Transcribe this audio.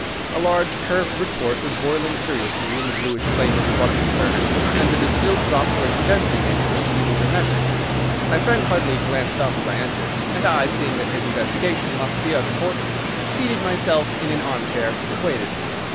A large curved retort was boiling furiously in the bluish flame of a Bunsen burner, and the distilled drops were condensing into a two litre measure. My friend hardly glanced up as I entered, and I, seeing that his investigation must be of importance, seated myself in an armchair and waited.